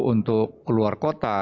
untuk keluar kota